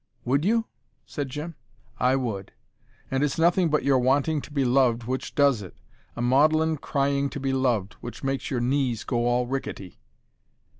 "Would you?" said Jim. "I would. And it's nothing but your wanting to be loved which does it. A maudlin crying to be loved, which makes your knees all go rickety."